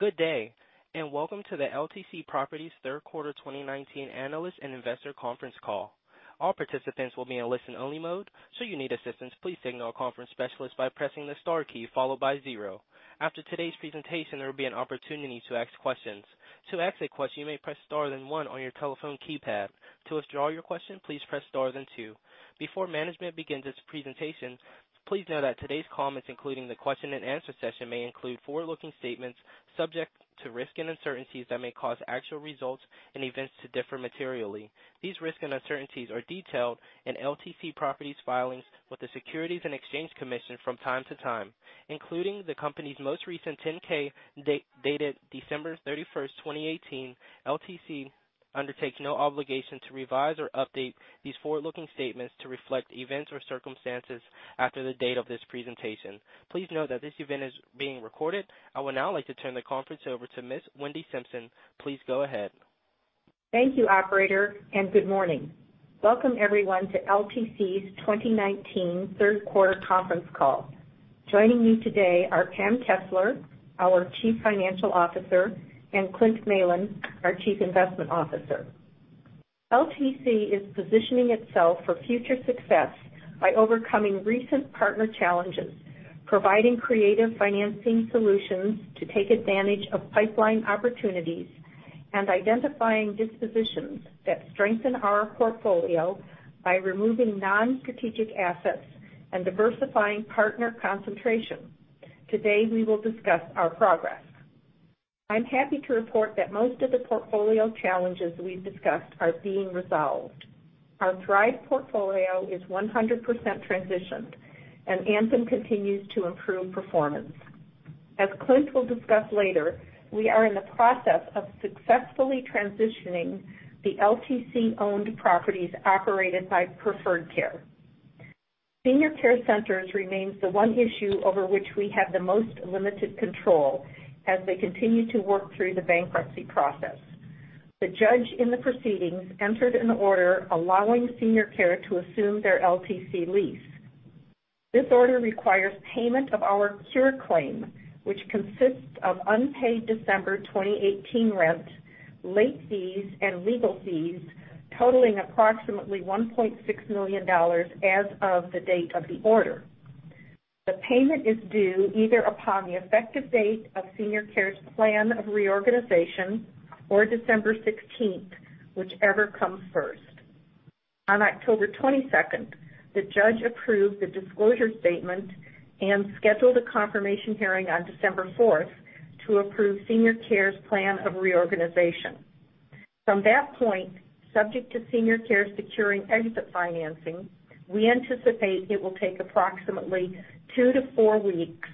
Good day, welcome to the LTC Properties third quarter 2019 analyst and investor conference call. All participants will be in listen only mode, should you need assistance, please signal a conference specialist by pressing the star key followed by zero. After today's presentation, there will be an opportunity to ask questions. To ask a question, you may press star then one on your telephone keypad. To withdraw your question, please press star then two. Before management begins its presentation, please know that today's comments, including the question and answer session, may include forward-looking statements subject to risks and uncertainties that may cause actual results and events to differ materially. These risks and uncertainties are detailed in LTC Properties filings with the Securities and Exchange Commission from time to time, including the company's most recent 10-K dated December 31st, 2018. LTC undertakes no obligation to revise or update these forward-looking statements to reflect events or circumstances after the date of this presentation. Please note that this event is being recorded. I would now like to turn the conference over to Ms. Wendy Simpson. Please go ahead. Thank you operator. Good morning. Welcome everyone to LTC's 2019 third quarter conference call. Joining me today are Pam Kessler, our Chief Financial Officer, and Clint Malin, our Chief Investment Officer. LTC is positioning itself for future success by overcoming recent partner challenges, providing creative financing solutions to take advantage of pipeline opportunities, and identifying dispositions that strengthen our portfolio by removing non-strategic assets and diversifying partner concentration. Today, we will discuss our progress. I'm happy to report that most of the portfolio challenges we've discussed are being resolved. Our Thrive portfolio is 100% transitioned, and Anthem continues to improve performance. As Clint will discuss later, we are in the process of successfully transitioning the LTC-owned properties operated by Preferred Care. Senior Care Centers remains the one issue over which we have the most limited control as they continue to work through the bankruptcy process. The judge in the proceedings entered an order allowing Senior Care to assume their LTC lease. This order requires payment of our cure claim, which consists of unpaid December 2018 rent, late fees, and legal fees totaling approximately $1.6 million as of the date of the order. The payment is due either upon the effective date of Senior Care's plan of reorganization or December 16th, whichever comes first. On October 22nd, the judge approved the disclosure statement and scheduled a confirmation hearing on December 4th to approve Senior Care's plan of reorganization. From that point, subject to Senior Care securing exit financing, we anticipate it will take approximately two to four weeks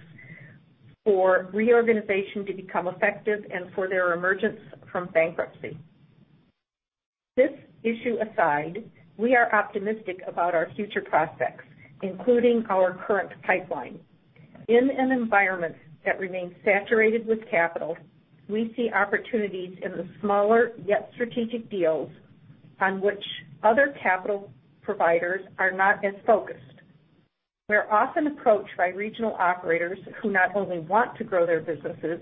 for reorganization to become effective and for their emergence from bankruptcy. This issue aside, we are optimistic about our future prospects, including our current pipeline. In an environment that remains saturated with capital, we see opportunities in the smaller, yet strategic deals on which other capital providers are not as focused. We're often approached by regional operators who not only want to grow their businesses,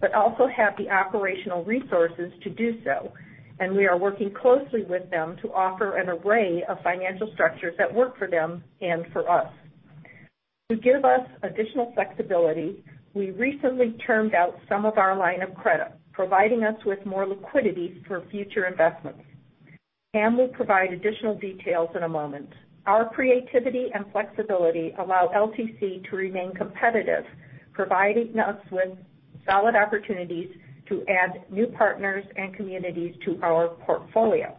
but also have the operational resources to do so. We are working closely with them to offer an array of financial structures that work for them and for us. To give us additional flexibility, we recently termed out some of our line of credit, providing us with more liquidity for future investments. Pam will provide additional details in a moment. Our creativity and flexibility allow LTC to remain competitive, providing us with solid opportunities to add new partners and communities to our portfolio.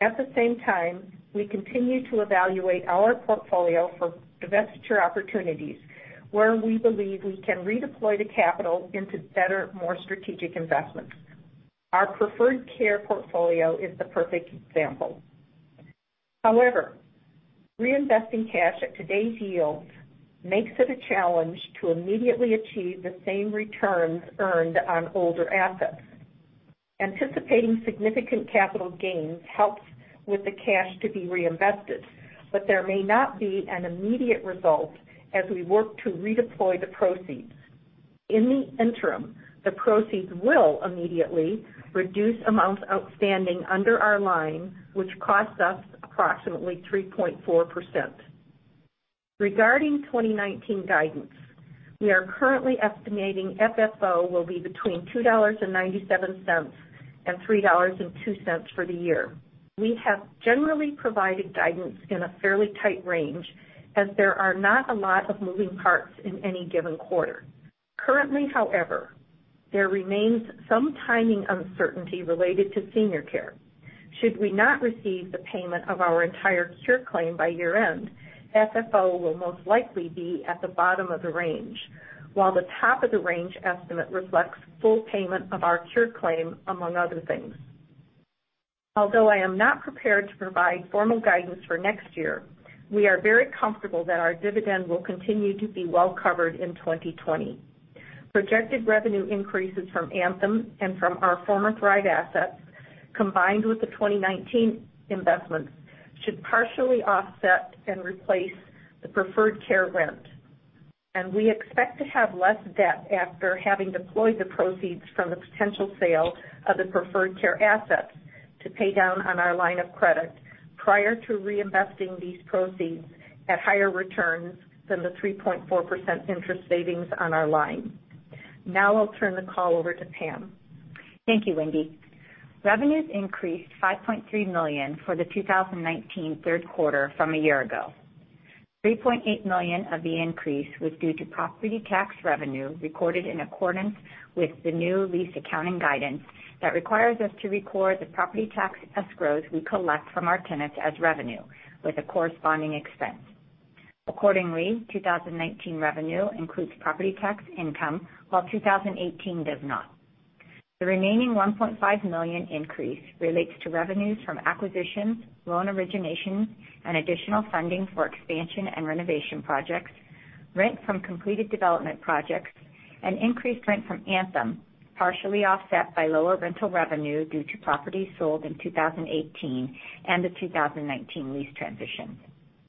At the same time, we continue to evaluate our portfolio for divestiture opportunities where we believe we can redeploy the capital into better, more strategic investments. Our Preferred Care portfolio is the perfect example. Reinvesting cash at today's yields makes it a challenge to immediately achieve the same returns earned on older assets. Anticipating significant capital gains helps with the cash to be reinvested, there may not be an immediate result as we work to redeploy the proceeds. In the interim, the proceeds will immediately reduce amounts outstanding under our line, which costs us approximately 3.4%. Regarding 2019 guidance, we are currently estimating FFO will be between $2.97 and $3.02 for the year. We have generally provided guidance in a fairly tight range as there are not a lot of moving parts in any given quarter. Currently, however, there remains some timing uncertainty related to Senior Care. Should we not receive the payment of our entire cure claim by year end, FFO will most likely be at the bottom of the range, while the top of the range estimate reflects full payment of our cure claim, among other things. Although I am not prepared to provide formal guidance for next year, we are very comfortable that our dividend will continue to be well covered in 2020. Projected revenue increases from Anthem and from our former Thrive assets Combined with the 2019 investments should partially offset and replace the Preferred Care rent. We expect to have less debt after having deployed the proceeds from the potential sale of the Preferred Care assets to pay down on our line of credit prior to reinvesting these proceeds at higher returns than the 3.4% interest savings on our line. I'll turn the call over to Pam. Thank you, Wendy. Revenues increased $5.3 million for the 2019 third quarter from a year ago. $3.8 million of the increase was due to property tax revenue recorded in accordance with the new lease accounting guidance that requires us to record the property tax escrows we collect from our tenants as revenue with a corresponding expense. Accordingly, 2019 revenue includes property tax income, while 2018 does not. The remaining $1.5 million increase relates to revenues from acquisitions, loan originations, and additional funding for expansion and renovation projects, rent from completed development projects, and increased rent from Anthem, partially offset by lower rental revenue due to properties sold in 2018 and the 2019 lease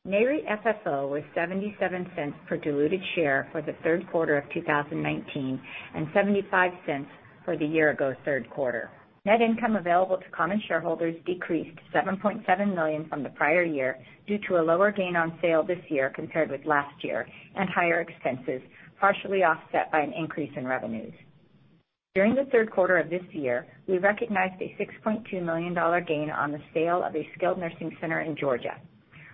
transitions. Nareit FFO was $0.77 per diluted share for the third quarter of 2019 and $0.75 for the year-ago third quarter. Net income available to common shareholders decreased $7.7 million from the prior year due to a lower gain on sale this year compared with last year and higher expenses, partially offset by an increase in revenues. During the third quarter of this year, we recognized a $6.2 million gain on the sale of a skilled nursing center in Georgia.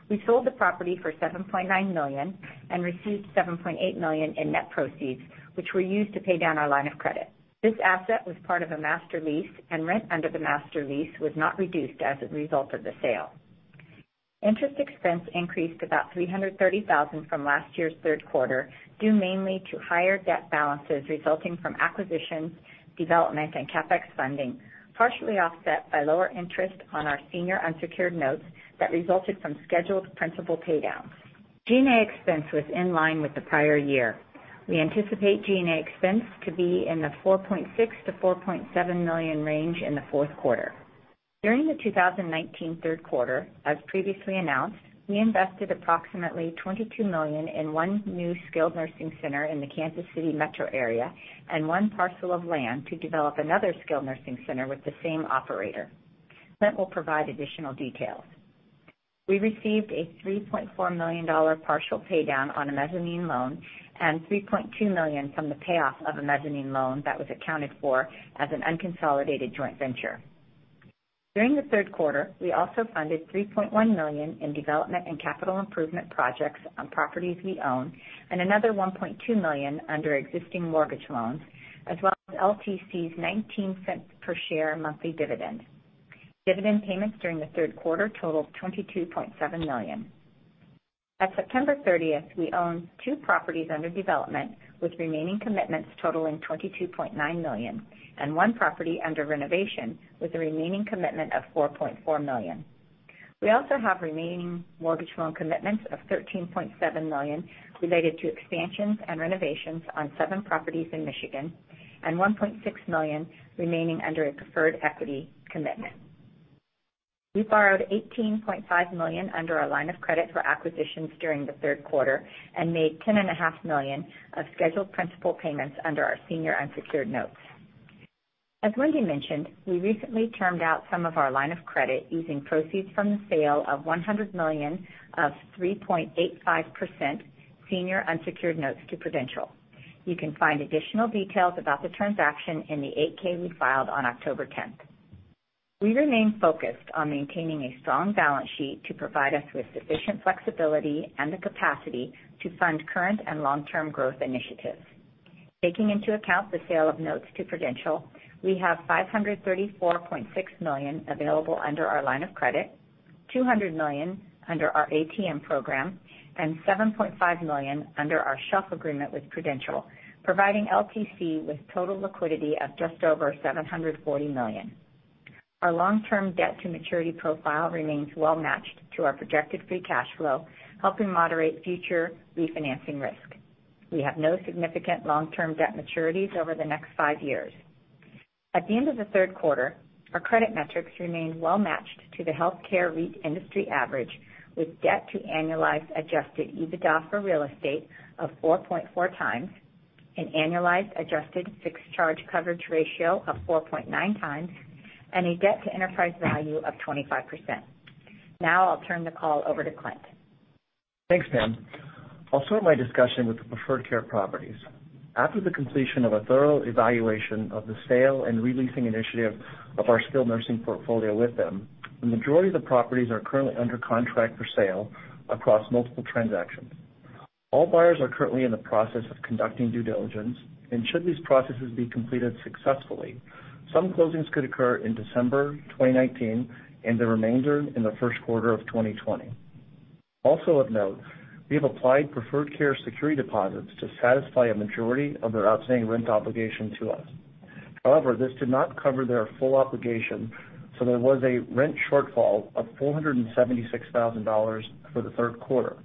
We sold the property for $7.9 million and received $7.8 million in net proceeds, which were used to pay down our line of credit. This asset was part of a master lease, and rent under the master lease was not reduced as a result of the sale. Interest expense increased about $330,000 from last year's third quarter, due mainly to higher debt balances resulting from acquisitions, development, and CapEx funding, partially offset by lower interest on our senior unsecured notes that resulted from scheduled principal paydowns. G&A expense was in line with the prior year. We anticipate G&A expense to be in the $4.6 million-$4.7 million range in the fourth quarter. During the 2019 third quarter, as previously announced, we invested approximately $22 million in one new skilled nursing center in the Kansas City metro area and one parcel of land to develop another skilled nursing center with the same operator. Clint will provide additional details. We received a $3.4 million partial paydown on a mezzanine loan and $3.2 million from the payoff of a mezzanine loan that was accounted for as an unconsolidated joint venture. During the third quarter, we also funded $3.1 million in development and capital improvement projects on properties we own, and another $1.2 million under existing mortgage loans, as well as LTC's $0.19 per share monthly dividend. Dividend payments during the third quarter totaled $22.7 million. At September 30th, we own two properties under development, with remaining commitments totaling $22.9 million, and one property under renovation with a remaining commitment of $4.4 million. We also have remaining mortgage loan commitments of $13.7 million related to expansions and renovations on seven properties in Michigan, and $1.6 million remaining under a preferred equity commitment. We borrowed $18.5 million under our line of credit for acquisitions during the third quarter and made $10.5 million of scheduled principal payments under our senior unsecured notes. As Wendy mentioned, we recently termed out some of our line of credit using proceeds from the sale of $100 million of 3.85% senior unsecured notes to Prudential. You can find additional details about the transaction in the 8-K we filed on October 10th. We remain focused on maintaining a strong balance sheet to provide us with sufficient flexibility and the capacity to fund current and long-term growth initiatives. Taking into account the sale of notes to Prudential, we have $534.6 million available under our line of credit, $200 million under our ATM program, and $7.5 million under our shelf agreement with Prudential, providing LTC with total liquidity of just over $740 million. Our long-term debt to maturity profile remains well-matched to our projected free cash flow, helping moderate future refinancing risk. We have no significant long-term debt maturities over the next five years. At the end of the third quarter, our credit metrics remained well matched to the healthcare REIT industry average, with debt to annualized adjusted EBITDA for real estate of 4.4 times, an annualized adjusted fixed charge coverage ratio of 4.9 times, and a debt to enterprise value of 25%. Now I'll turn the call over to Clint. Thanks, Pam. I'll start my discussion with the Preferred Care properties. After the completion of a thorough evaluation of the sale and re-leasing initiative of our skilled nursing portfolio with them, the majority of the properties are currently under contract for sale across multiple transactions. All buyers are currently in the process of conducting due diligence, and should these processes be completed successfully, some closings could occur in December 2019 and the remainder in the first quarter of 2020. Also of note, we have applied Preferred Care security deposits to satisfy a majority of their outstanding rent obligation to us. However, this did not cover their full obligation, so there was a rent shortfall of $476,000 for the third quarter.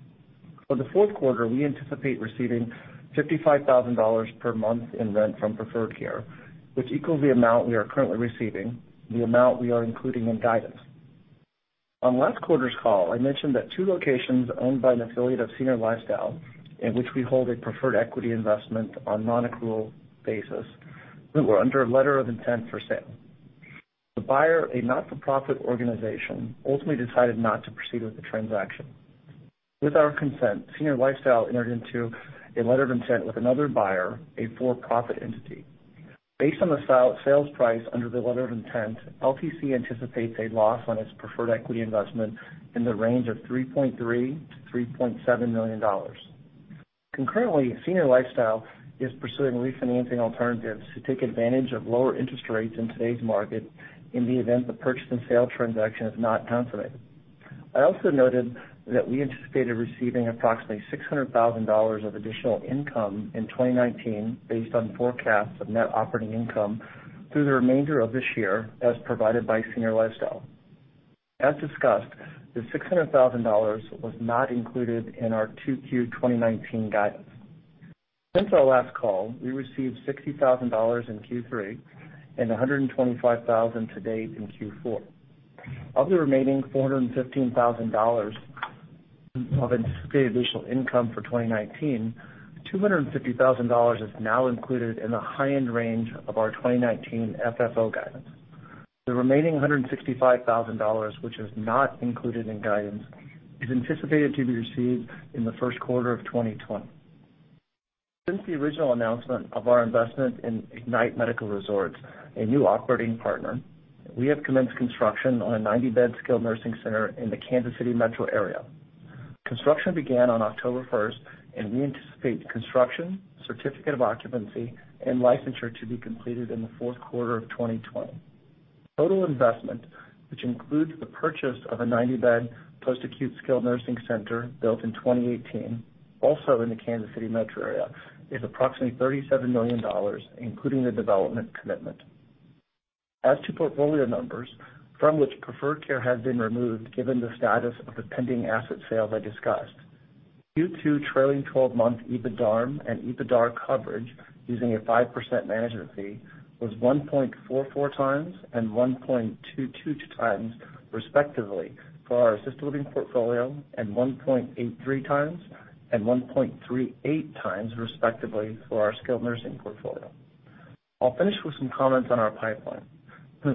For the fourth quarter, we anticipate receiving $55,000 per month in rent from Preferred Care, which equals the amount we are currently receiving, the amount we are including in guidance. On last quarter's call, I mentioned that two locations owned by an affiliate of Senior Lifestyle, in which we hold a preferred equity investment on non-accrual basis, we were under a letter of intent for sale. The buyer, a not-for-profit organization, ultimately decided not to proceed with the transaction. With our consent, Senior Lifestyle entered into a letter of intent with another buyer, a for-profit entity. Based on the sales price under the letter of intent, LTC anticipates a loss on its preferred equity investment in the range of $3.3 million-$3.7 million. Concurrently, Senior Lifestyle is pursuing refinancing alternatives to take advantage of lower interest rates in today's market in the event the purchase and sale transaction is not contemplated. I also noted that we anticipated receiving approximately $600,000 of additional income in 2019, based on forecasts of net operating income through the remainder of this year, as provided by Senior Lifestyle. As discussed, the $600,000 was not included in our 2Q 2019 guidance. Since our last call, we received $60,000 in Q3 and $125,000 to date in Q4. Of the remaining $415,000 of anticipated additional income for 2019, $250,000 is now included in the high-end range of our 2019 FFO guidance. The remaining $165,000, which is not included in guidance, is anticipated to be received in the first quarter of 2020. Since the original announcement of our investment in Ignite Medical Resorts, a new operating partner, we have commenced construction on a 90-bed skilled nursing center in the Kansas City metro area. Construction began on October 1st, we anticipate construction, certificate of occupancy, and licensure to be completed in the fourth quarter of 2020. Total investment, which includes the purchase of a 90-bed post-acute skilled nursing center built in 2018, also in the Kansas City metro area, is approximately $37 million, including the development commitment. As to portfolio numbers, from which Preferred Care has been removed, given the status of the pending asset sale I discussed. Q2 trailing 12-month EBITDARM and EBITDA coverage using a 5% management fee was 1.44 times and 1.22 times, respectively, for our assisted living portfolio, and 1.83 times and 1.38 times, respectively, for our skilled nursing portfolio. I'll finish with some comments on our pipeline.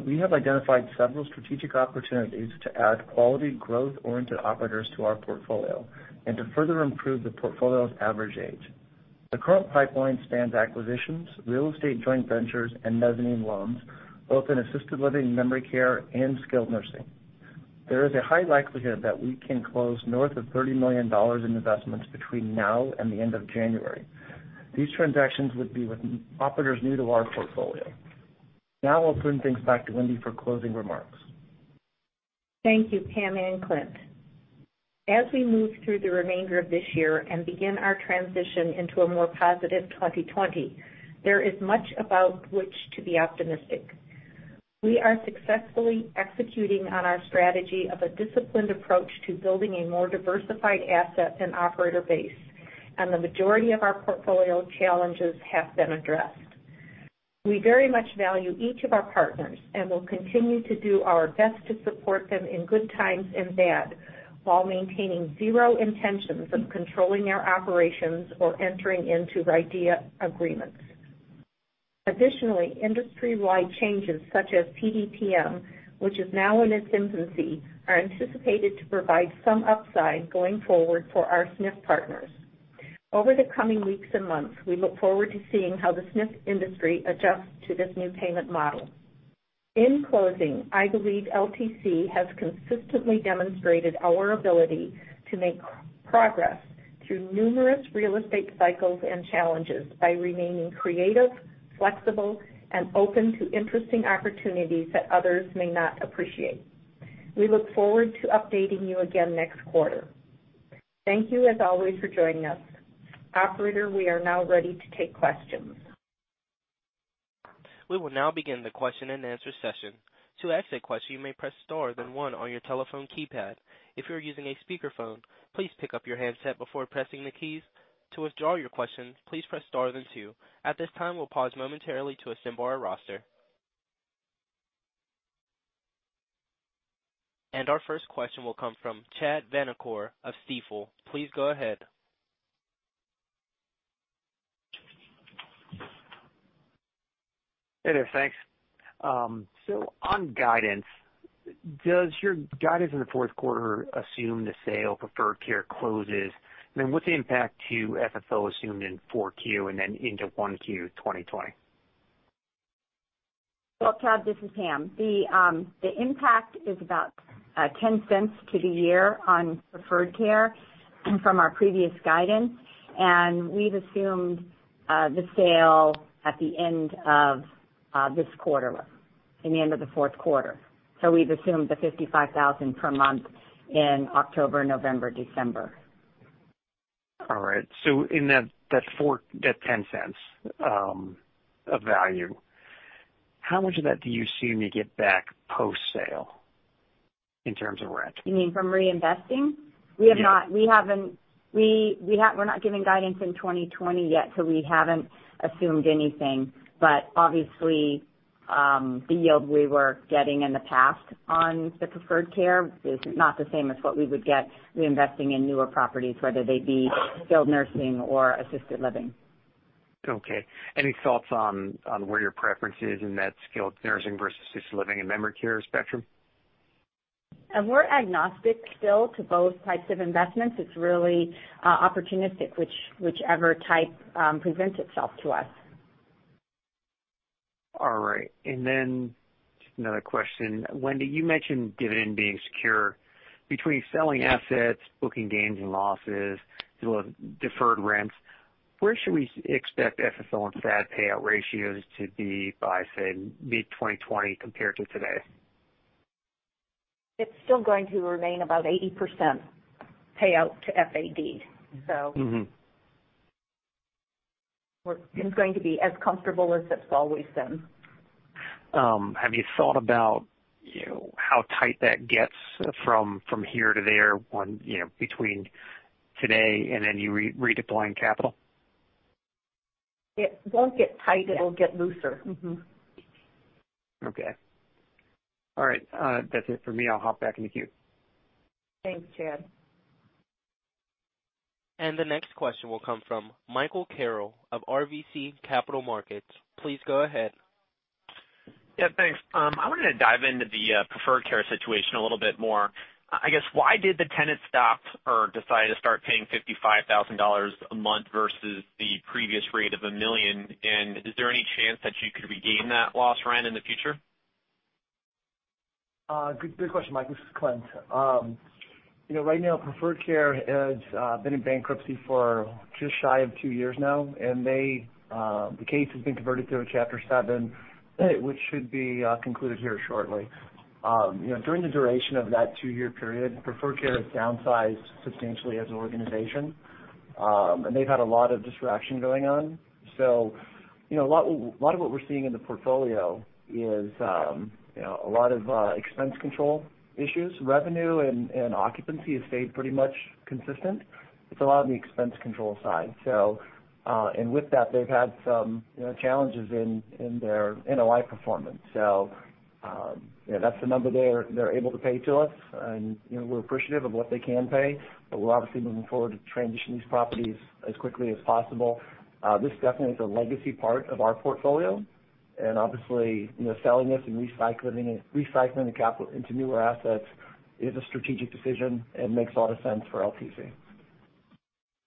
We have identified several strategic opportunities to add quality growth-oriented operators to our portfolio and to further improve the portfolio's average age. The current pipeline spans acquisitions, real estate joint ventures, and mezzanine loans, both in assisted living memory care and skilled nursing. There is a high likelihood that we can close north of $30 million in investments between now and the end of January. These transactions would be with operators new to our portfolio. Now I'll turn things back to Wendy for closing remarks. Thank you, Pam and Clint. As we move through the remainder of this year and begin our transition into a more positive 2020, there is much about which to be optimistic. We are successfully executing on our strategy of a disciplined approach to building a more diversified asset and operator base, and the majority of our portfolio challenges have been addressed. We very much value each of our partners and will continue to do our best to support them in good times and bad, while maintaining zero intentions of controlling our operations or entering into RIDEA agreements. Additionally, industry-wide changes such as PDPM, which is now in its infancy, are anticipated to provide some upside going forward for our SNF partners. Over the coming weeks and months, we look forward to seeing how the SNF industry adjusts to this new payment model. In closing, I believe LTC has consistently demonstrated our ability to make progress through numerous real estate cycles and challenges by remaining creative, flexible, and open to interesting opportunities that others may not appreciate. We look forward to updating you again next quarter. Thank you, as always, for joining us. Operator, we are now ready to take questions. We will now begin the question and answer session. To ask a question, you may press star, then one on your telephone keypad. If you are using a speakerphone, please pick up your handset before pressing the keys. To withdraw your question, please press star then two. At this time, we'll pause momentarily to assemble our roster. Our first question will come from Chad Vanacore of Stifel. Please go ahead. Hey there. Thanks. On guidance, does your guidance in the fourth quarter assume the sale Preferred Care closes? What's the impact to FFO assumed in four Q and then into one Q 2020? Well, Chad, this is Pam. The impact is about $0.10 to the year on Preferred Care from our previous guidance. We've assumed the sale at the end of this quarter, in the end of the fourth quarter. We've assumed the 55,000 per month in October, November, December. All right. In that $0.10 of value How much of that do you assume you get back post-sale in terms of rent? You mean from reinvesting? Yeah. We're not giving guidance in 2020 yet, so we haven't assumed anything. Obviously, the yield we were getting in the past on the Preferred Care is not the same as what we would get reinvesting in newer properties, whether they be skilled nursing or assisted living. Okay. Any thoughts on where your preference is in that skilled nursing versus assisted living and memory care spectrum? We're agnostic still to both types of investments. It's really opportunistic, whichever type presents itself to us. All right. Just another question. Wendy, you mentioned dividend being secure. Between selling assets, booking gains and losses, as well as deferred rents, where should we expect FFO and FAD payout ratios to be by, say, mid 2020 compared to today? It's still going to remain about 80% payout to FAD. We're going to be as comfortable as it's always been. Have you thought about how tight that gets from here to there between today and any redeploying capital? It won't get tight. It'll get looser. Okay. All right. That's it for me. I'll hop back in the queue. Thanks, Chad. The next question will come from Michael Carroll of RBC Capital Markets. Please go ahead. Yeah, thanks. I wanted to dive into the Preferred Care situation a little bit more. I guess, why did the tenant stop or decide to start paying $55,000 a month versus the previous rate of $1 million? Is there any chance that you could regain that lost rent in the future? Good question, Mike. This is Clint. Preferred Care has been in bankruptcy for just shy of 2 years now, and the case has been converted to a Chapter 7, which should be concluded here shortly. During the duration of that 2-year period, Preferred Care has downsized substantially as an organization, and they've had a lot of disruption going on. A lot of what we're seeing in the portfolio is a lot of expense control issues. Revenue and occupancy have stayed pretty much consistent. It's a lot on the expense control side. With that, they've had some challenges in their NOI performance. That's the number they're able to pay to us, and we're appreciative of what they can pay. We're obviously moving forward to transition these properties as quickly as possible. This definitely is a legacy part of our portfolio, and obviously, selling this and recycling the capital into newer assets is a strategic decision and makes a lot of sense for LTC.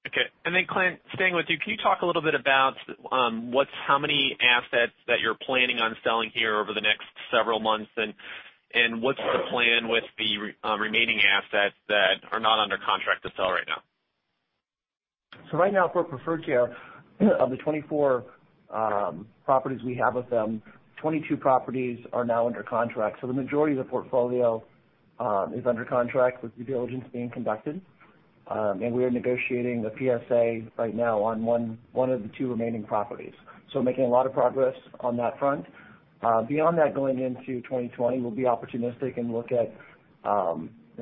Okay. Clint, staying with you, can you talk a little bit about how many assets that you're planning on selling here over the next several months, and what's the plan with the remaining assets that are not under contract to sell right now? Right now, for Preferred Care, of the 24 properties we have with them, 22 properties are now under contract. The majority of the portfolio is under contract with due diligence being conducted. We are negotiating the PSA right now on one of the two remaining properties. Making a lot of progress on that front. Beyond that, going into 2020, we'll be opportunistic and look at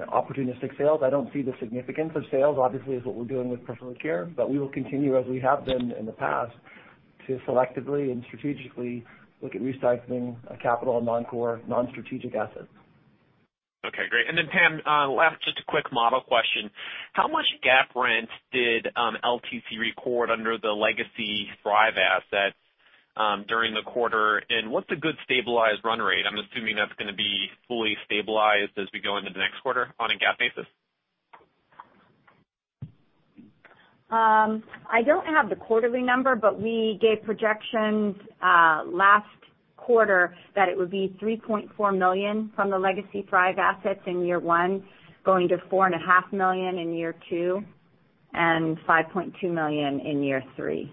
opportunistic sales. I don't see the significance of sales, obviously, as what we're doing with Preferred Care, but we will continue, as we have been in the past, to selectively and strategically look at recycling capital on non-core, non-strategic assets. Okay, great. Pam, last, just a quick model question. How much GAAP rent did LTC record under the legacy Thrive assets during the quarter, and what's a good stabilized run rate? I'm assuming that's going to be fully stabilized as we go into the next quarter on a GAAP basis. I don't have the quarterly number, but we gave projections last quarter that it would be $3.4 million from the legacy Thrive assets in year one, going to $4.5 million in year two, and $5.2 million in year three.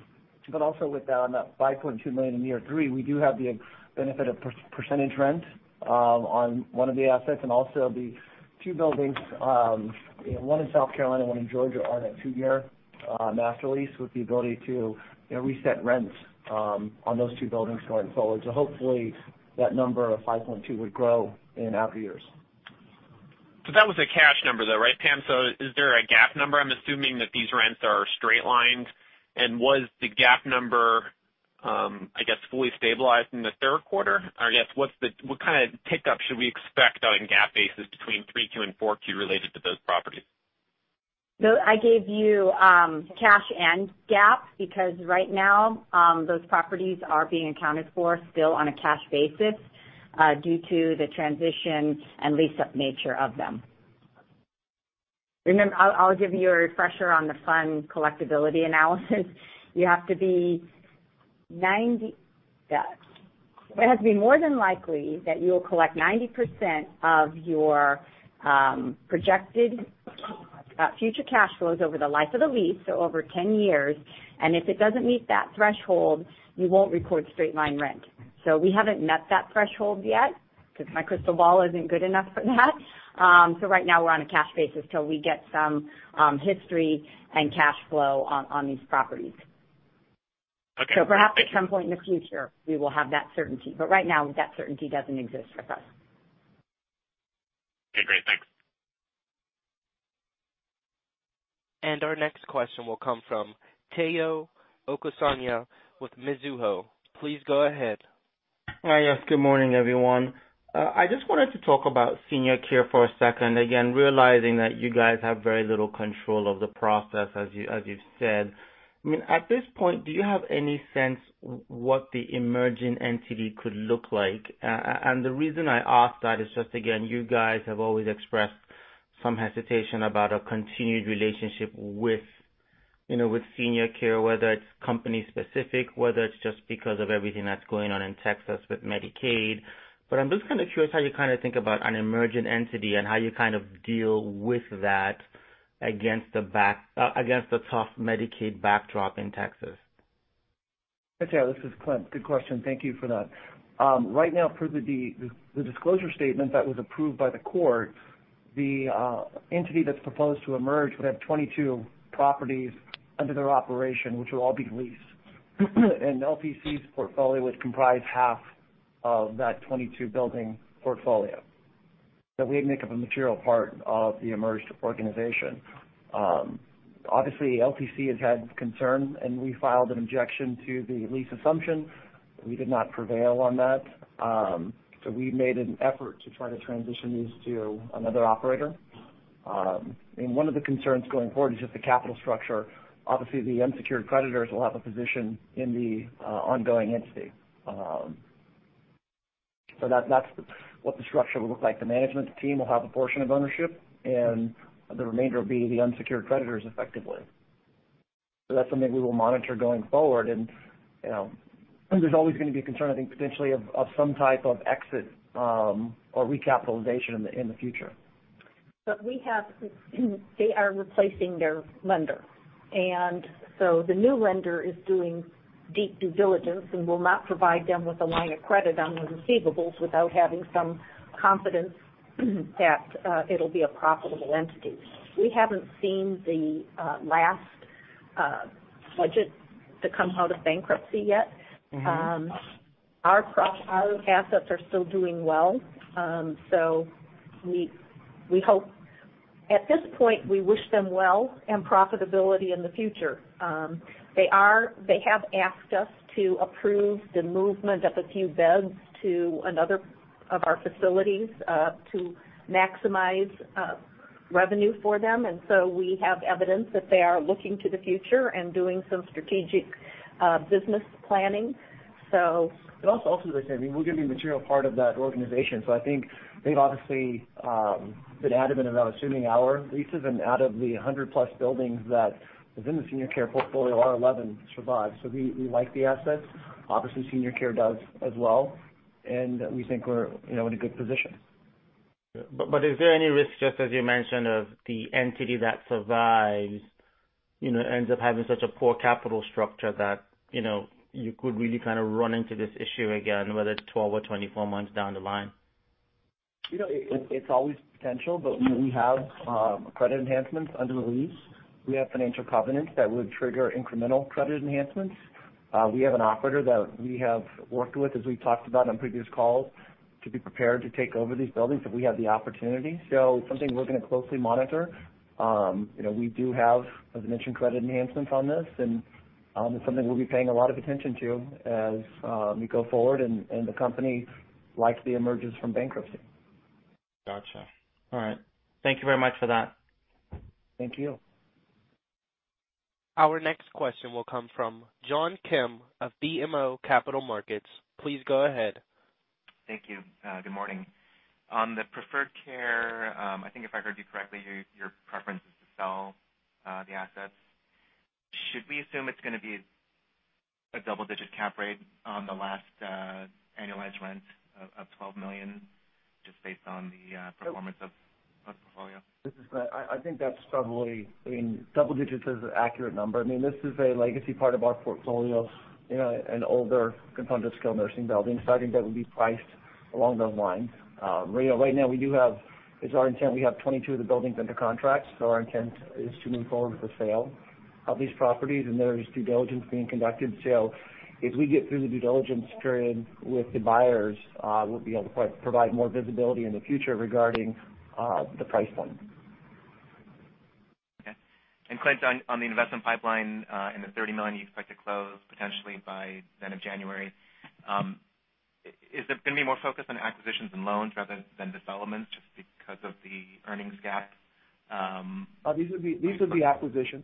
Also with that, on that $5.2 million in year three, we do have the benefit of percentage rent on one of the assets, and also the two buildings, one in South Carolina, one in Georgia, are on a two-year master lease with the ability to reset rents on those two buildings going forward. Hopefully, that number of $5.2 would grow in out years. That was a cash number though, right, Pam? Is there a GAAP number? I'm assuming that these rents are straight-lined. Was the GAAP number, I guess, fully stabilized in the third quarter? I guess, what kind of tick up should we expect on a GAAP basis between 3Q and 4Q related to those properties? No, I gave you cash and GAAP because right now, those properties are being accounted for still on a cash basis due to the transition and lease-up nature of them. Remember, I'll give you a refresher on the collectibility analysis. It has to be more than likely that you'll collect 90% of your projected future cash flows over the life of the lease, so over 10 years. If it doesn't meet that threshold, you won't record straight-line rent. We haven't met that threshold yet. Because my crystal ball isn't good enough for that. Right now we're on a cash basis till we get some history and cash flow on these properties. Okay. Perhaps at some point in the future, we will have that certainty, but right now that certainty doesn't exist with us. Okay, great. Thanks. Our next question will come from Omotayo Okusanya with Mizuho. Please go ahead. Hi, yes, good morning, everyone. I just wanted to talk about Senior Care for a second. Again, realizing that you guys have very little control of the process, as you've said. I mean, at this point, do you have any sense what the emerging entity could look like? The reason I ask that is just, again, you guys have always expressed some hesitation about a continued relationship with Senior Care, whether it's company specific, whether it's just because of everything that's going on in Texas with Medicaid. I'm just curious how you think about an emerging entity and how you deal with that against the tough Medicaid backdrop in Texas. Hey, Tayo, this is Clint. Good question. Thank you for that. Right now, per the disclosure statement that was approved by the court, the entity that's proposed to emerge would have 22 properties under their operation, which will all be leased. LTC's portfolio would comprise half of that 22-building portfolio, so we make up a material part of the emerged organization. Obviously, LTC has had concerns, and we filed an objection to the lease assumption. We did not prevail on that. We've made an effort to try to transition these to another operator. One of the concerns going forward is just the capital structure. Obviously, the unsecured creditors will have a position in the ongoing entity. That's what the structure will look like. The management team will have a portion of ownership, and the remainder will be the unsecured creditors effectively. That's something we will monitor going forward. There's always going to be a concern, I think, potentially of some type of exit or recapitalization in the future. They are replacing their lender. The new lender is doing deep due diligence and will not provide them with a line of credit on the receivables without having some confidence that it'll be a profitable entity. We haven't seen the last budget to come out of bankruptcy yet. Our assets are still doing well. At this point, we wish them well and profitability in the future. They have asked us to approve the movement of a few beds to another of our facilities, to maximize revenue for them. We have evidence that they are looking to the future and doing some strategic business planning. Also, as I say, we'll give you a material part of that organization. I think they've obviously been adamant about assuming our leases and out of the 100-plus buildings that was in the Senior Care portfolio, 11 survived. We like the assets. Obviously, Senior Care does as well, and we think we're in a good position. Is there any risk, just as you mentioned, of the entity that survives, ends up having such a poor capital structure that you could really run into this issue again, whether it's 12 or 24 months down the line? It's always potential, but we have credit enhancements under the lease. We have financial covenants that would trigger incremental credit enhancements. We have an operator that we have worked with, as we've talked about on previous calls, to be prepared to take over these buildings if we have the opportunity. Something we're going to closely monitor. We do have, as I mentioned, credit enhancements on this, and it's something we'll be paying a lot of attention to as we go forward and the company likely emerges from bankruptcy. Gotcha. All right. Thank you very much for that. Thank you. Our next question will come from John Kim of BMO Capital Markets. Please go ahead. Thank you. Good morning. On the Preferred Care, I think if I heard you correctly, your preference is to sell the assets. Should we assume it's going to be a double-digit cap rate on the last annualized rent of $12 million, just based on the performance of the portfolio? This is Clint. I think that's probably I mean, double digits is an accurate number. This is a legacy part of our portfolio, an older, confounded skilled nursing building. I think that would be priced along those lines. Right now it's our intent, we have 22 of the buildings under contract, so our intent is to move forward with the sale of these properties, and there is due diligence being conducted. If we get through the due diligence period with the buyers, we'll be able to provide more visibility in the future regarding the price point. Okay. Clint, on the investment pipeline and the $30 million you expect to close potentially by end of January, is it going to be more focused on acquisitions and loans rather than developments, just because of the earnings gap? These will be acquisitions.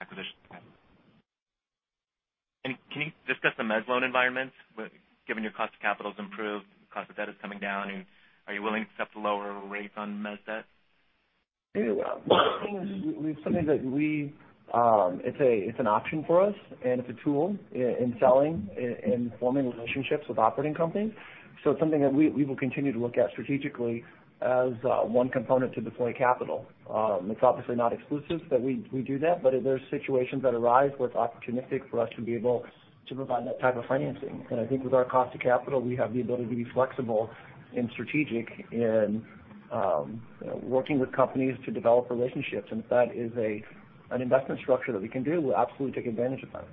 Acquisitions. Okay. Can you discuss the mez loan environment, given your cost of capital's improved, cost of debt is coming down, are you willing to accept lower rates on mez debt? It's an option for us, and it's a tool in selling, in forming relationships with operating companies. It's something that we will continue to look at strategically as one component to deploy capital. It's obviously not exclusive that we do that, but if there's situations that arise where it's opportunistic for us to be able to provide that type of financing. I think with our cost of capital, we have the ability to be flexible and strategic in working with companies to develop relationships. If that is an investment structure that we can do, we'll absolutely take advantage of that.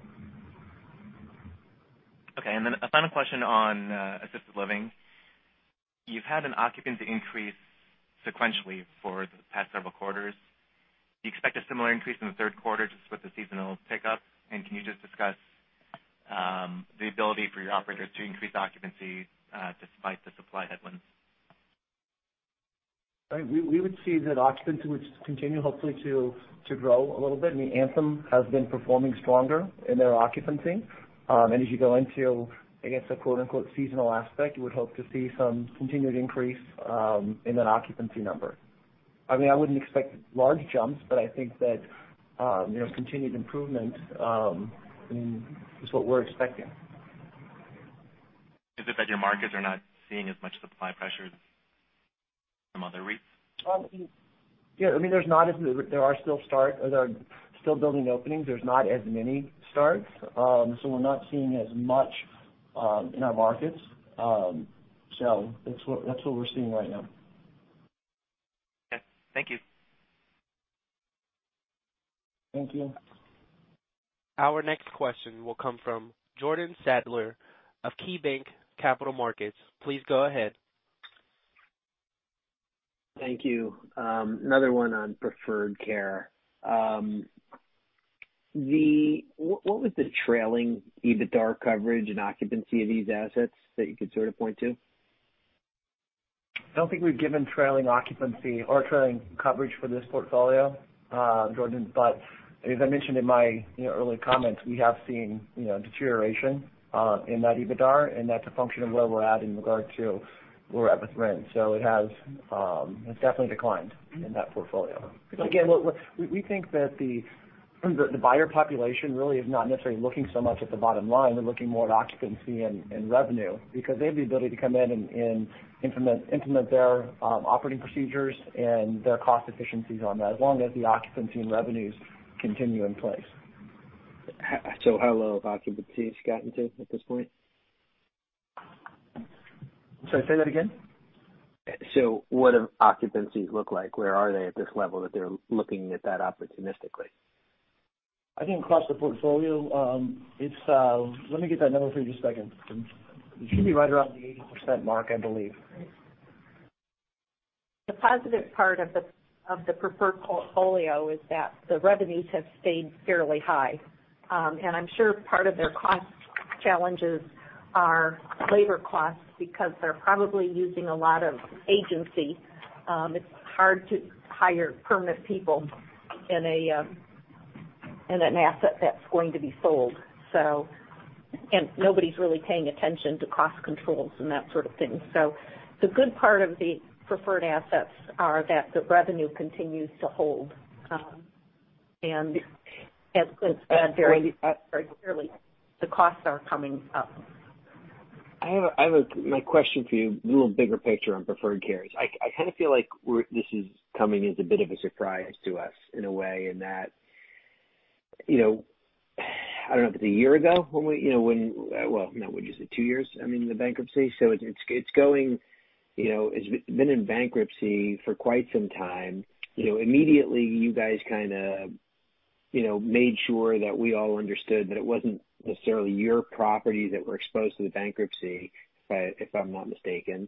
Okay, a final question on assisted living. You've had an occupancy increase sequentially for the past several quarters. Do you expect a similar increase in the third quarter just with the seasonal pickup? Can you just discuss the ability for your operators to increase occupancy despite the supply headwinds? We would see that occupancy would continue, hopefully, to grow a little bit. Anthem has been performing stronger in their occupancy. As you go into, I guess, a "seasonal aspect," you would hope to see some continued increase in that occupancy number. I wouldn't expect large jumps, but I think that continued improvement is what we're expecting. Is it that your markets are not seeing as much supply pressure as some other REITs? Yeah. There are still building openings. There's not as many starts, so we're not seeing as much in our markets. That's what we're seeing right now. Okay. Thank you. Thank you. Our next question will come from Jordan Sadler of KeyBanc Capital Markets. Please go ahead. Thank you. Another one on Preferred Care. What was the trailing EBITDA coverage and occupancy of these assets that you could sort of point to? I don't think we've given trailing occupancy or trailing coverage for this portfolio, Jordan. As I mentioned in my early comments, we have seen deterioration in that EBITDA, and that's a function of where we're at in regard to where we're at with rent. It has definitely declined in that portfolio. Again, we think that the buyer population really is not necessarily looking so much at the bottom line. They're looking more at occupancy and revenue because they have the ability to come in and implement their operating procedures and their cost efficiencies on that, as long as the occupancy and revenues continue in place. How low have occupancies gotten to at this point? Sorry, say that again. What have occupancies looked like? Where are they at this level that they're looking at that opportunistically? I think across the portfolio, let me get that number for you. Just a second. It should be right around the 80% mark, I believe. The positive part of the Preferred portfolio is that the revenues have stayed fairly high. I'm sure part of their cost challenges are labor costs, because they're probably using a lot of agency. It's hard to hire permanent people in an asset that's going to be sold, and nobody's really paying attention to cost controls and that sort of thing. The good part of the Preferred assets are that the revenue continues to hold, and as Clint said very clearly, the costs are coming up. My question for you, a little bigger picture on Preferred Care, is I kind of feel like this is coming as a bit of a surprise to us in a way, in that, I don't know if it's a year ago, well, no, what is it, two years? I mean, the bankruptcy. It's been in bankruptcy for quite some time. Immediately, you guys kind of made sure that we all understood that it wasn't necessarily your properties that were exposed to the bankruptcy, if I'm not mistaken.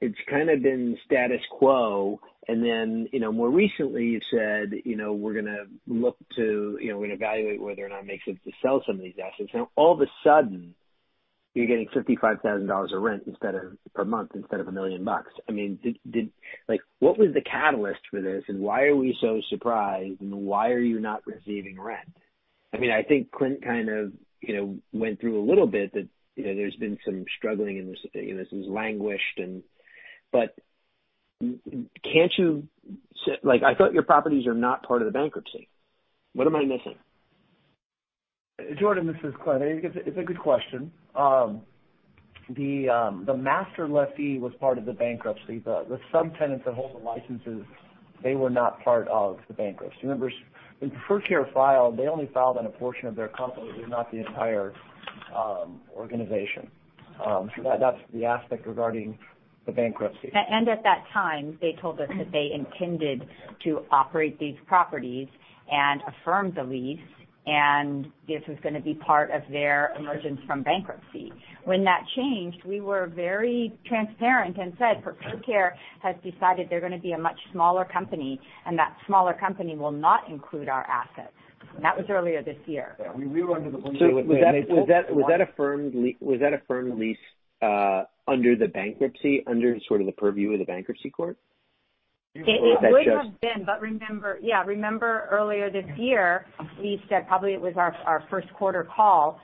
It's kind of been status quo. More recently, you said, we're going to evaluate whether or not it makes sense to sell some of these assets. Now, all of a sudden, you're getting $55,000 of rent per month instead of $1 million bucks. What was the catalyst for this, and why are we so surprised, and why are you not receiving rent? I think Clint kind of went through a little bit that there's been some struggling, and this was languished. I thought your properties are not part of the bankruptcy. What am I missing? Jordan, this is Clint. It's a good question. The master lessee was part of the bankruptcy. The subtenants that hold the licenses, they were not part of the bankruptcy. Remember, when Preferred Care filed, they only filed on a portion of their company, not the entire organization. That's the aspect regarding the bankruptcy. At that time, they told us that they intended to operate these properties and affirm the lease, and this was going to be part of their emergence from bankruptcy. When that changed, we were very transparent and said Preferred Care has decided they're going to be a much smaller company, and that smaller company will not include our assets. That was earlier this year. Yeah. We were under the belief that when they. Was that affirmed lease under the bankruptcy, under sort of the purview of the bankruptcy court? It would have been, but remember earlier this year, we said, probably it was our first quarter call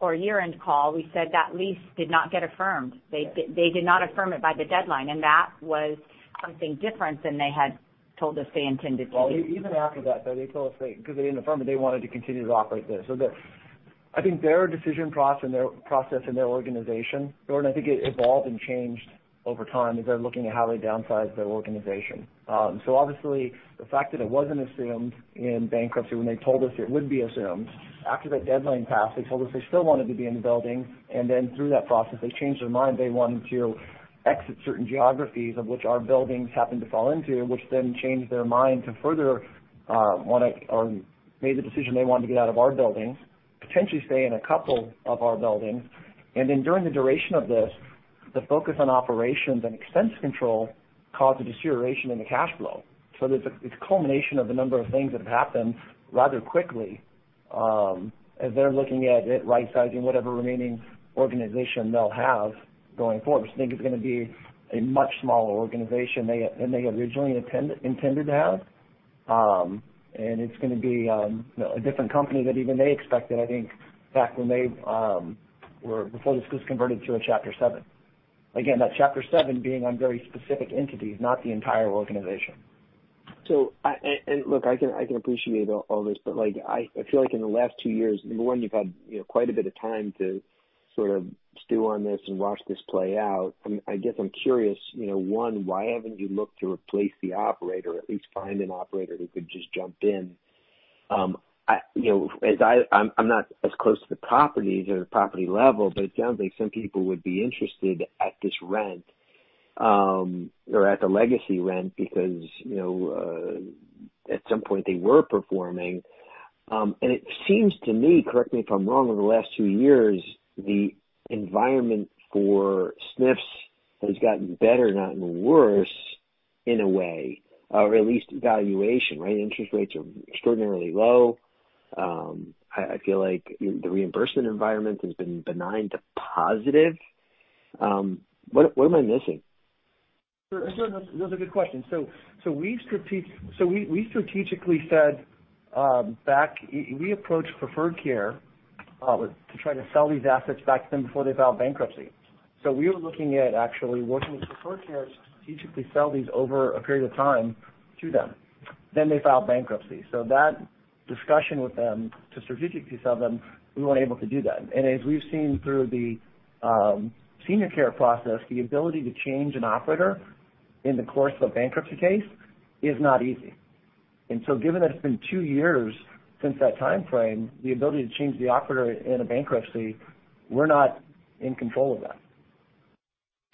or year-end call, we said that lease did not get affirmed. They did not affirm it by the deadline, and that was something different than they had told us they intended to do. Even after that, though, they told us because they didn't affirm it, they wanted to continue to operate there. I think their decision process and their organization, Jordan, I think it evolved and changed over time as they're looking at how they downsized their organization. Obviously, the fact that it wasn't assumed in bankruptcy when they told us it would be assumed. After that deadline passed, they told us they still wanted to be in the building, through that process, they changed their mind. They wanted to exit certain geographies, of which our buildings happened to fall into, which changed their mind to further make the decision they wanted to get out of our buildings, potentially stay in a couple of our buildings. During the duration of this, the focus on operations and expense control caused a deterioration in the cash flow. It's a culmination of a number of things that have happened rather quickly, as they're looking at rightsizing whatever remaining organization they'll have going forward, which I think is going to be a much smaller organization than they originally intended to have. It's going to be a different company that even they expected, I think, back before this was converted to a Chapter 7. Again, that Chapter 7 being on very specific entities, not the entire organization. Look, I can appreciate all this, but I feel like in the last two years, number one, you've had quite a bit of time to sort of stew on this and watch this play out. I guess I'm curious, one, why haven't you looked to replace the operator, at least find an operator who could just jump in? I'm not as close to the properties or the property level, but it sounds like some people would be interested at this rent, or at the legacy rent, because at some point, they were performing. It seems to me, correct me if I'm wrong, over the last two years, the environment for SNFs has gotten better, not worse, in a way, or at least valuation, right? Interest rates are extraordinarily low. I feel like the reimbursement environment has been benign to positive. What am I missing? Sure. That's a good question. We strategically approached Preferred Care to try to sell these assets back to them before they filed bankruptcy. We were looking at actually working with Preferred Care to strategically sell these over a period of time to them. They filed bankruptcy. That discussion with them to strategically sell them, we weren't able to do that. As we've seen through the senior care process, the ability to change an operator in the course of a bankruptcy case is not easy. Given that it's been two years since that timeframe, the ability to change the operator in a bankruptcy, we're not in control of that.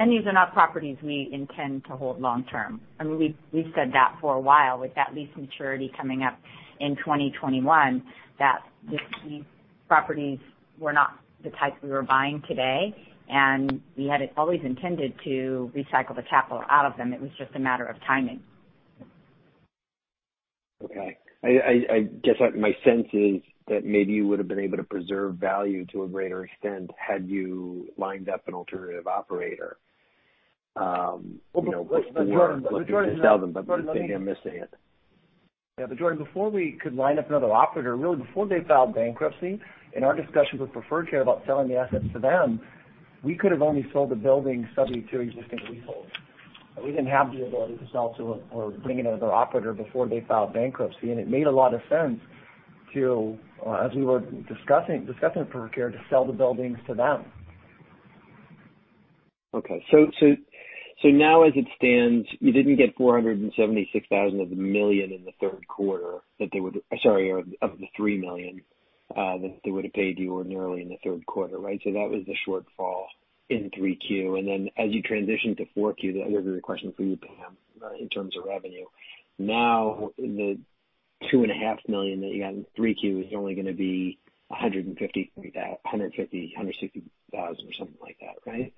These are not properties we intend to hold long-term. I mean, we've said that for a while, with that lease maturity coming up in 2021, that these properties were not the type we were buying today, and we had always intended to recycle the capital out of them. It was just a matter of timing. Okay. I guess my sense is that maybe you would've been able to preserve value to a greater extent had you lined up an alternative operator. Jordan. Maybe I'm missing it. Yeah. Jordan, before we could line up another operator, really before they filed bankruptcy, in our discussions with Preferred Care about selling the assets to them, we could have only sold the building subject to existing leasehold. We didn't have the ability to sell to or bring in another operator before they filed bankruptcy. It made a lot of sense to, as we were discussing with Preferred Care, to sell the buildings to them. Okay. Now as it stands, you didn't get $476,000 of the $3 million that they would've paid you ordinarily in the third quarter, right? That was the shortfall in 3Q. As you transition to 4Q, the other question for you, Pam, in terms of revenue. Now, the two and a half million that you got in 3Q is only going to be $160,000 or something like that, right?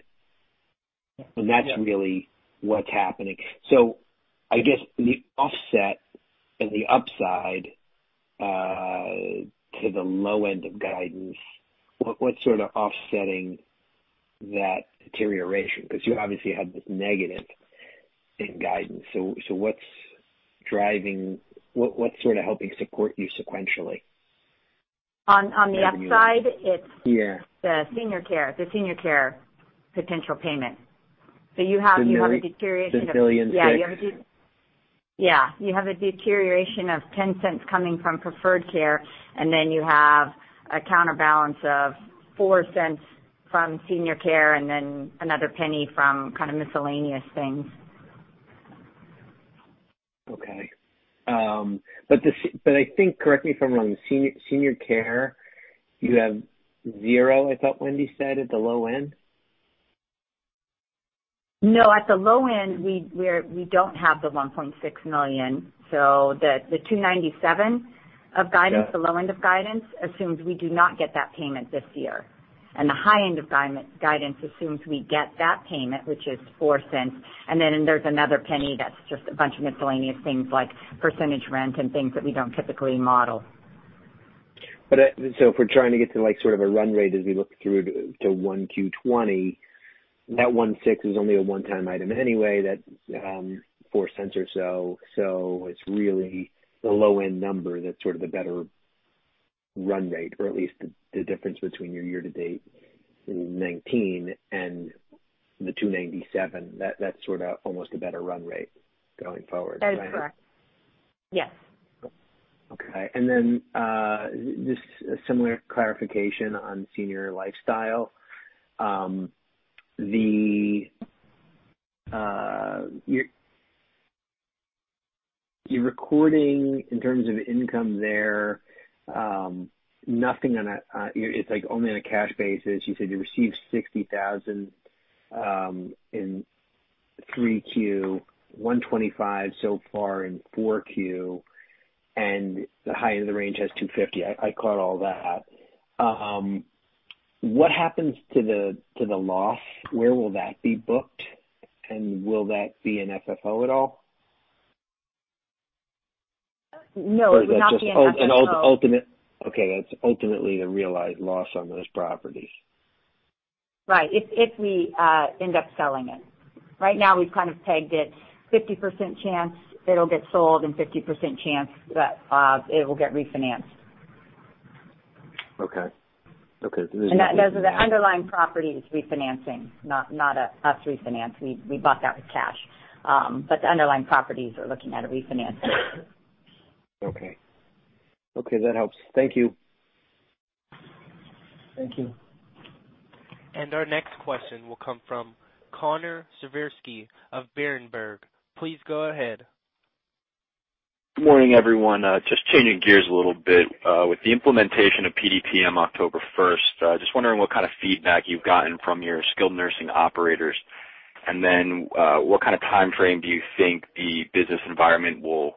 Yeah. That's really what's happening. I guess the offset and the upside to the low end of guidance, what's sort of offsetting that deterioration? You obviously had this negative in guidance. What's sort of helping support you sequentially? On the upside. Yeah It's the senior care potential payment. The $1.6 million. Yeah. You have a deterioration of $0.10 coming from Preferred Care, and then you have a counterbalance of $0.04 from Senior Care, and then another $0.01 from kind of miscellaneous things. Okay. I think, correct me if I'm wrong, Senior Care, you have zero, I thought Wendy said, at the low end? No, at the low end, we don't have the $1.6 million. The 297 of guidance. Yeah the low end of guidance assumes we do not get that payment this year. The high end of guidance assumes we get that payment, which is $0.04, and then there's another $0.01 that's just a bunch of miscellaneous things like percentage rent and things that we don't typically model. If we're trying to get to sort of a run rate as we look through to one Q 2020, that $0.016 is only a one-time item anyway. That $0.04 or so. It's really the low-end number that's sort of a better run rate, or at least the difference between your year to date in 2019 and the $2.97. That's sort of almost a better run rate going forward. That is correct. Yes. Okay. Then, just a similar clarification on Senior Lifestyle. You're recording in terms of income there. It's only on a cash basis. You said you received $60,000 in 3Q, $125,000 so far in 4Q, and the high end of the range has $250,000. I caught all that. What happens to the loss? Where will that be booked, and will that be an FFO at all? No, it will not be an FFO. Okay. That's ultimately the realized loss on those properties. Right. If we end up selling it, right now, we've kind of pegged it 50% chance it'll get sold and 50% chance that it will get refinanced. Okay. That is the underlying property is refinancing, not us refinance. We bought that with cash. The underlying properties are looking at a refinancing. Okay. That helps. Thank you. Thank you. Our next question will come from Connor Siversky of Berenberg. Please go ahead. Good morning, everyone. Just changing gears a little bit, with the implementation of PDPM October first, just wondering what kind of feedback you've gotten from your skilled nursing operators, and then, what kind of timeframe do you think the business environment will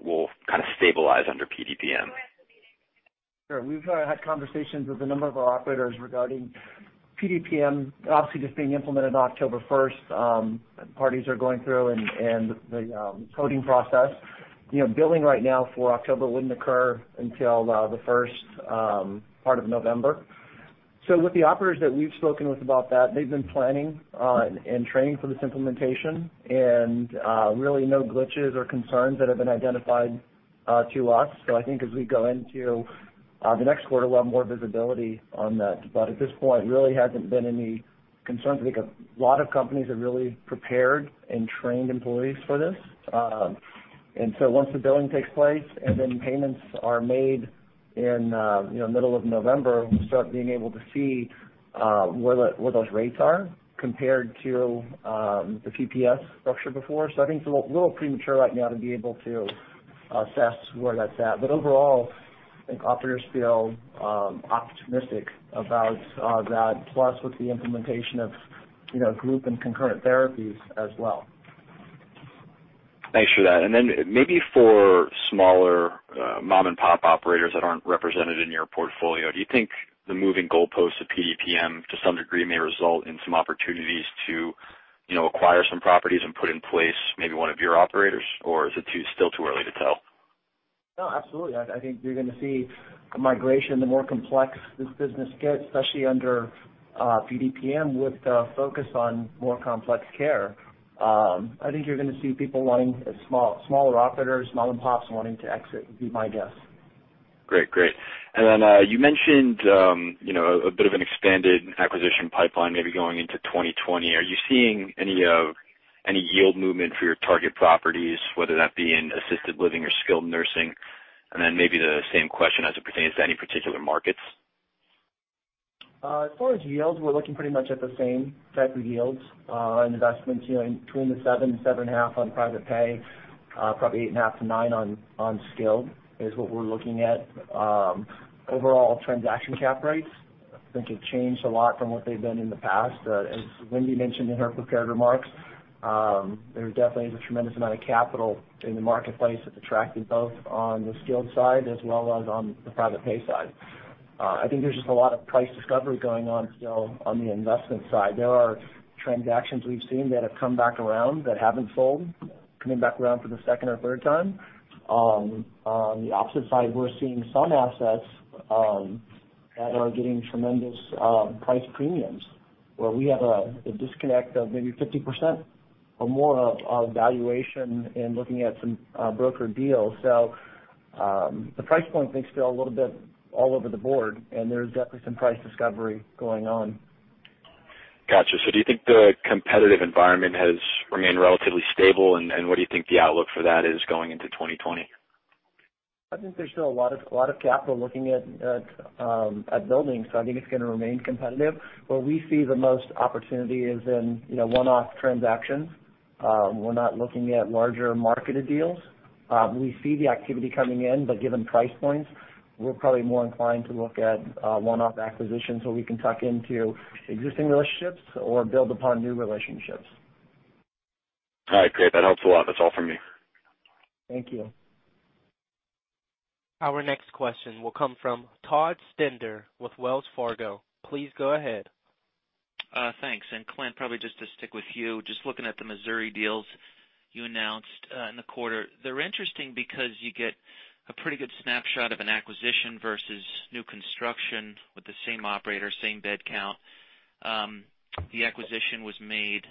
kind of stabilize under PDPM? Sure. We've had conversations with a number of our operators regarding PDPM, obviously, just being implemented October first. Parties are going through and the coding process. Billing right now for October wouldn't occur until the first part of November. With the operators that we've spoken with about that, they've been planning and training for this implementation, and really no glitches or concerns that have been identified to us. I think as we go into the next quarter, we'll have more visibility on that. At this point, really hasn't been any concerns. I think a lot of companies have really prepared and trained employees for this. Once the billing takes place, then payments are made in middle of November, we'll start being able to see where those rates are compared to the PPS structure before. I think it's a little premature right now to be able to assess where that's at. Overall, I think operators feel optimistic about that, plus with the implementation of group and concurrent therapies as well. Thanks for that. Maybe for smaller mom-and-pop operators that aren't represented in your portfolio, do you think the moving goalposts of PDPM to some degree may result in some opportunities to acquire some properties and put in place maybe one of your operators, or is it still too early to tell? No, absolutely. I think you're going to see a migration. The more complex this business gets, especially under PDPM with the focus on more complex care, I think you're going to see people wanting smaller operators, mom-and-pops wanting to exit, would be my guess. Great. You mentioned a bit of an expanded acquisition pipeline maybe going into 2020. Are you seeing any yield movement for your target properties, whether that be in assisted living or skilled nursing? Maybe the same question as it pertains to any particular markets. As far as yields, we're looking pretty much at the same type of yields in investments between the seven and 7.5 on private pay, probably 8.5 to nine on skilled is what we're looking at. Overall transaction cap rates, I think have changed a lot from what they've been in the past. As Wendy mentioned in her prepared remarks, there definitely is a tremendous amount of capital in the marketplace that's attracted both on the skilled side as well as on the private pay side. I think there's just a lot of price discovery going on still on the investment side. There are transactions we've seen that have come back around that haven't sold, coming back around for the second or third time. On the opposite side, we're seeing some assets that are getting tremendous price premiums, where we have a disconnect of maybe 50% or more of valuation in looking at some broker deals. The price point, I think, is still a little bit all over the board, and there's definitely some price discovery going on. Got you. Do you think the competitive environment has remained relatively stable, and what do you think the outlook for that is going into 2020? I think there's still a lot of capital looking at buildings. I think it's going to remain competitive. Where we see the most opportunity is in one-off transactions. We're not looking at larger marketed deals. We see the activity coming in. Given price points, we're probably more inclined to look at one-off acquisitions where we can tuck into existing relationships or build upon new relationships. All right, great. That helps a lot. That is all for me. Thank you. Our next question will come from Todd Stender with Wells Fargo. Please go ahead. Thanks. Clint, probably just to stick with you, just looking at the Missouri deals you announced in the quarter. They're interesting because you get a pretty good snapshot of an acquisition versus new construction with the same operator, same bed count. The acquisition was made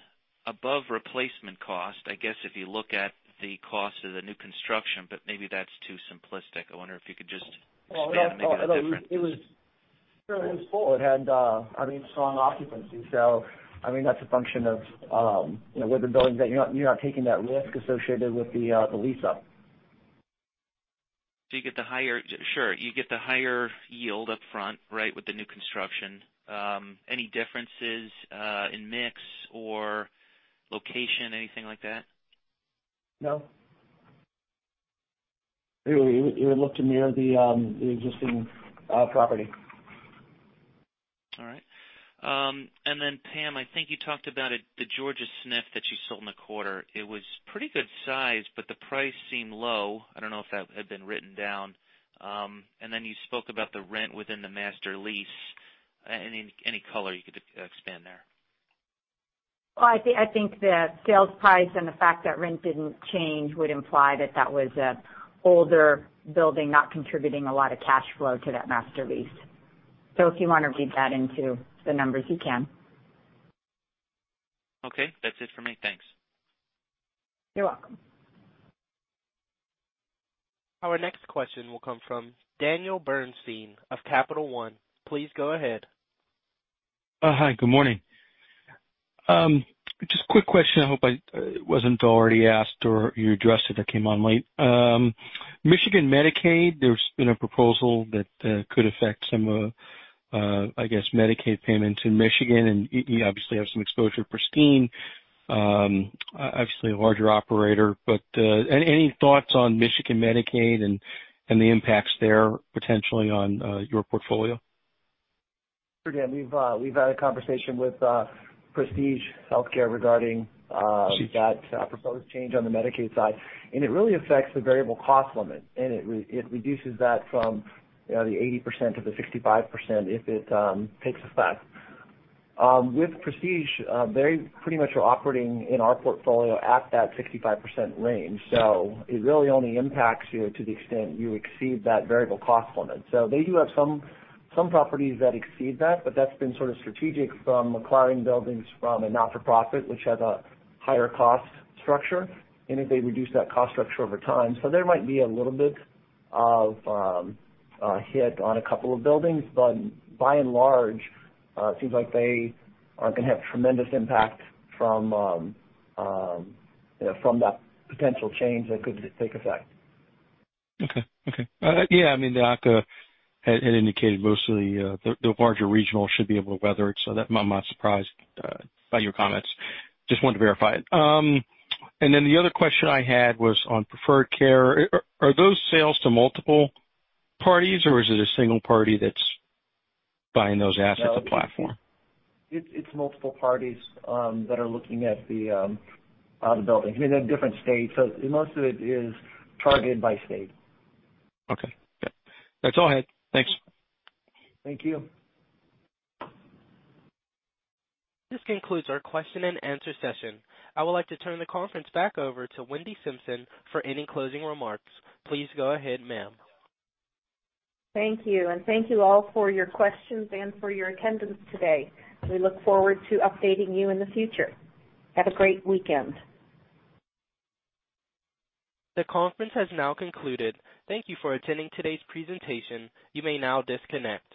above replacement cost, I guess, if you look at the cost of the new construction, but maybe that's too simplistic. I wonder if you could just speak to maybe that difference. Sure. It was full. It had strong occupancy. That's a function of with the buildings that you're not taking that risk associated with the lease-up. Sure. You get the higher yield up front, right, with the new construction. Any differences in mix or location, anything like that? No. It would look to mirror the existing property. All right. Pam, I think you talked about the Georgia SNF that you sold in the quarter. It was pretty good size, but the price seemed low. I don't know if that had been written down. You spoke about the rent within the master lease. Any color you could expand there? Well, I think the sales price and the fact that rent didn't change would imply that that was an older building not contributing a lot of cash flow to that master lease. If you want to read that into the numbers, you can. Okay, that's it for me. Thanks. You're welcome. Our next question will come from Daniel Bernstein of Capital One. Please go ahead. Hi, good morning. Just a quick question I hope wasn't already asked or you addressed it, I came on late. Michigan Medicaid, there's been a proposal that could affect some, I guess, Medicaid payments in Michigan. You obviously have some exposure to Prestige. Obviously, a larger operator. Any thoughts on Michigan Medicaid and the impacts there potentially on your portfolio? Sure, Dan. We've had a conversation with Prestige Healthcare regarding that proposed change on the Medicaid side, and it really affects the variable cost limit, and it reduces that from the 80% to the 65% if it takes effect. With Prestige, they pretty much are operating in our portfolio at that 65% range. It really only impacts you to the extent you exceed that variable cost limit. They do have some properties that exceed that, but that's been sort of strategic from acquiring buildings from a not-for-profit, which has a higher cost structure, and if they reduce that cost structure over time. There might be a little bit of a hit on a couple of buildings, but by and large, it seems like they aren't going to have tremendous impact from that potential change that could take effect. Okay. Yeah, the ACA had indicated mostly the larger regionals should be able to weather it, so I'm not surprised by your comments. Just wanted to verify it. The other question I had was on Preferred Care. Are those sales to multiple parties, or is it a single party that's buying those assets or platform? It's multiple parties that are looking at the buildings. They're different states. Most of it is targeted by state. Okay. Yeah. That's all I had. Thanks. Thank you. This concludes our question and answer session. I would like to turn the conference back over to Wendy Simpson for any closing remarks. Please go ahead, ma'am. Thank you, and thank you all for your questions and for your attendance today. We look forward to updating you in the future. Have a great weekend. The conference has now concluded. Thank you for attending today's presentation. You may now disconnect.